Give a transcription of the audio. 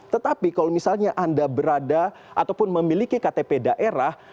tetapi kalau misalnya anda berada ataupun memiliki ktp daerah